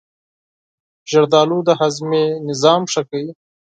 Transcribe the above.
زردآلو د هاضمې سیستم ښه کوي.